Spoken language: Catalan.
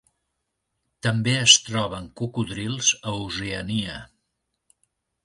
També es troben cocodrils a Oceania.